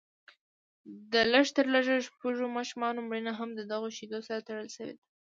د لږ تر لږه شپږو ماشومانو مړینه هم ددغو شیدو سره تړل شوې ده